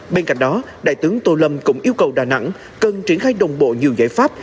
bên cạnh đó đại tướng tô lâm cũng yêu cầu đà nẵng cần triển khai đồng bộ nhiều giải pháp